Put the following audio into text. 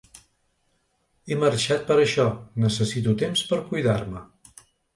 He marxat per això, necessito temps per cuidar-me.